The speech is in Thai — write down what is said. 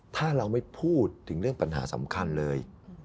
ถ้าเราไม่พูดถึงเรื่องปัญหาสำคัญเลย